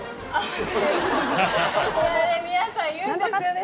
いや皆さん言うんですよね